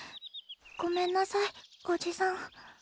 ごめんなさいおじさん。